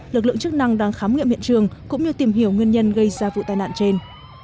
lực lượng chức năng đang khám nghiệm hiện trường cũng như tìm hiểu nguyên nhân gây ra vụ tai nạn trên